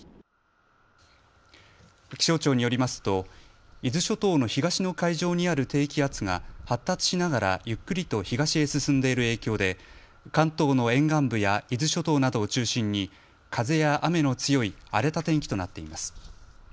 気象庁によりますと伊豆諸島の東の海上にある低気圧が発達しながらゆっくりと東へ進んでいる影響で関東の沿岸部や伊豆諸島などを中心に風や雨の強い荒れた天気となっています。